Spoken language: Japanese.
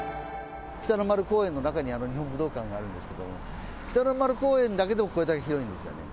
北の丸公園の中に日本武道館があるんですけど、北の丸公園だけでもこれだけ広いんですよ。